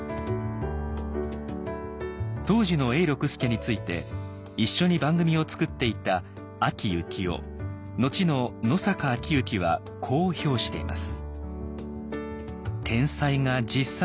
当時の永六輔について一緒に番組を作っていた阿木由紀夫後の野坂昭如はこう評しています。